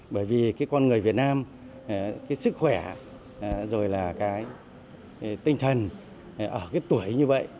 bởi vì cái con người việt nam cái sức khỏe rồi là cái tinh thần ở cái tuổi như vậy